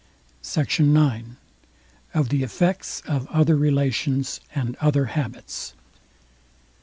SECT. IX. OF THE EFFECTS OF OTHER RELATIONS AND OTHER HABITS.